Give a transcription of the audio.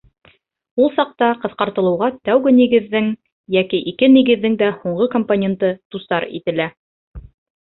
Ул саҡта ҡыҫҡартылыуға тәүге нигеҙҙең йәки ике нигеҙҙең дә һуңғы компоненты дусар ителә: